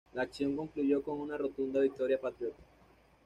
La acción concluyó con una rotunda victoria patriota.